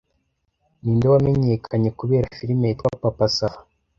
Ninde wamenyekanye kubera filime yitwa Papa sava